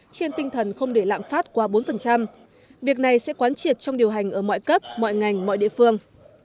trên tinh thần không để lạm phát qua bốn việc này sẽ quán triệt trong điều hành ở mọi cấp mọi ngành mọi địa phương